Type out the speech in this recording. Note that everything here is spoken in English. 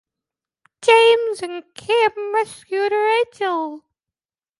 Kim and Rachel rescue her and James leaves.